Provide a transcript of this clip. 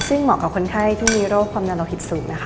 ซึ่งเหมาะกับคนไข้ที่มีโรคความดันโลหิตสูงนะคะ